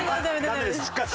ダメです。